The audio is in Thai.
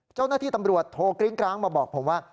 เจ้าหน้าที่ตำรวจโทรกริ้งกร้างมาบอกผมว่า